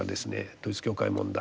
統一教会問題